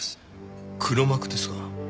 黒幕ですか。